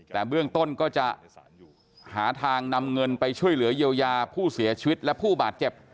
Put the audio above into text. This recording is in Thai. แต่เบื้องต้นก็จะหาทางนำเงินไปช่วยเหลือเยียวยาผู้เสียชีวิตและผู้บาดเจ็บ